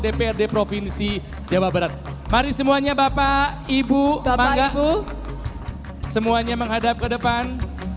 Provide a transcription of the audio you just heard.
dprd provinsi jawa barat mari semuanya bapak ibu banggaku semuanya menghadap ke depan